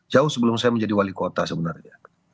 jauh sebelum saya menjadi wali kota sebenarnya